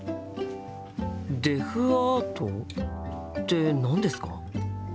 デフアートって何ですか？